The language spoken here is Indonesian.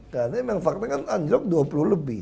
karena memang faktanya kan anjlok dua puluh lebih